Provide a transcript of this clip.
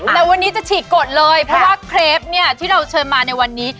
แต่วันนี้จะฉีกกดเลยเพราะว่าเครปเนี่ยที่เราเชิญมาในวันนี้